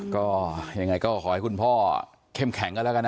ก็ยังไงก็ขอให้คุณพ่อเข้มแข็งกันแล้วกันนะ